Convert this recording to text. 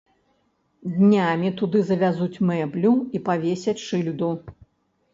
Днямі туды завязуць мэблю і павесяць шыльду.